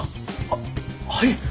あっはい。